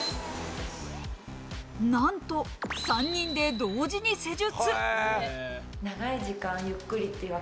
なんと３人で同時に施術。